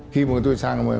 khi mà tôi sang